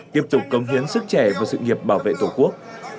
tiếp tục cống hiến sức trẻ và sự nghiệp bảo vệ tổ quốc